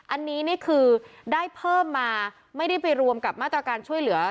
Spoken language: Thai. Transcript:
อันนี้นี่คือได้เพิ่มมาไม่ได้ไปรวมกับมาตรการช่วยเหลือ